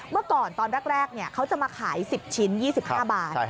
เมื่อก่อนตอนแรกเขาจะมาขาย๑๐ชิ้น๒๕บาท